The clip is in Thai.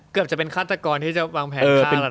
ก็จะเป็นฆาตกรที่จะวางแผนฆ่า